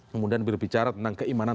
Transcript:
kemudian berbicara tentang keimanan